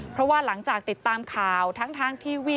เพราะว่าหลังจากติดตามข่าวทั้งทางทีวี